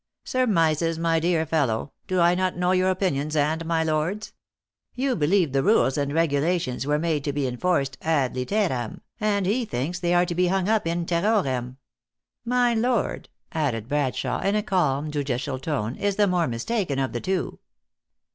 "Surmises ! my dear fellow. Do I not know your opinions and my lord s ? You believe the rules and regulations were made to be enforced ad literam, and he thinks they are to be hung up in terrorem. My lord," added Bradshawe, in a calm, judicial tone, is the more mistaken of the two."